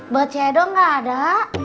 bacet dong gak ada